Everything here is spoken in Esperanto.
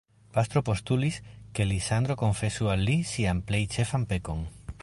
Pastro postulis, ke Lizandro konfesu al li sian plej ĉefan pekon.